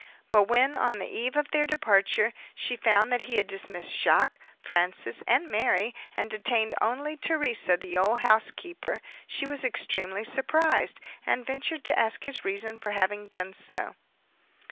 But when, on the eve of their departure, she found that he had dismissed Jacques, Francis, and Mary, and detained only Theresa the old housekeeper, she was extremely surprised, and ventured to ask his reason for having done so.